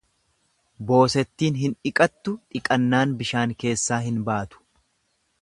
Boosettin hin dhiqattu dhiqannaan bishaan keessaa hin baatu.